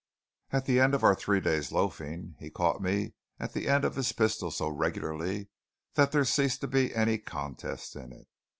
At the end of our three days' loafing he caught me at the end of his pistol so regularly that there ceased to be any contest in it.